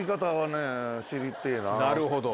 なるほど。